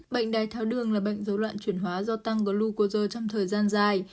bệnh đai tháo đường là bệnh dấu loạn chuyển hóa do tăng glucosa trong thời gian dài